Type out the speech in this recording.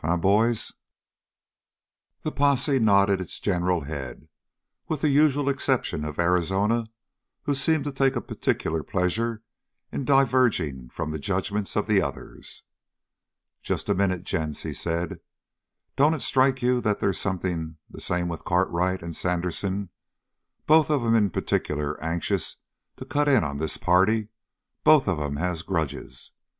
"Eh, boys?" The posse nodded its general head, with the usual exception of Arizona, who seemed to take a particular pleasure in diverging from the judgments of the others. "Just a minute, gents," he said. "Don't it strike you that they's something the same with Cartwright and Sandersen? Both of 'em in particular anxious to cut in on this party; both of 'em has grudges.